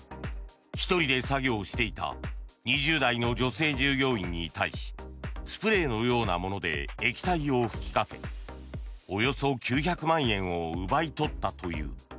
１人で作業をしていた２０代の女性従業員に対しスプレーのようなもので液体を吹きかけおよそ９００万円を奪い取ったという。